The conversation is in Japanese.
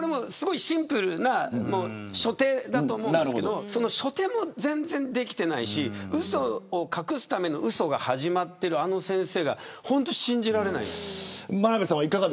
シンプルな初手だと思うんですけれどその初手も全然できてないしうそを隠すためのうそが始まっているあの先生が本当に信じられない。